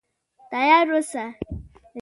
تیار اوسه.